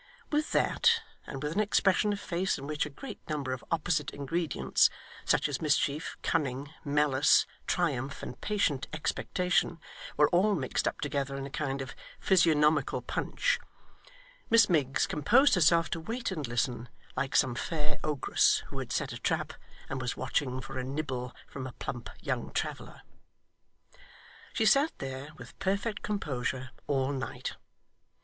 With that, and with an expression of face in which a great number of opposite ingredients, such as mischief, cunning, malice, triumph, and patient expectation, were all mixed up together in a kind of physiognomical punch, Miss Miggs composed herself to wait and listen, like some fair ogress who had set a trap and was watching for a nibble from a plump young traveller. She sat there, with perfect composure, all night.